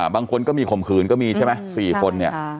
บางคนก็มีข่มขืนก็มีใช่ไหม๔คนเนี่ย